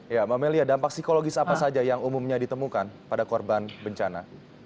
ya mbak melia dampak psikologis apa saja yang umumnya ditemukan pada korban bencana